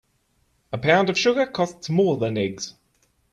A pound of sugar costs more than eggs.